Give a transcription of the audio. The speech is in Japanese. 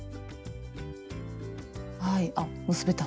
はいあっ結べた。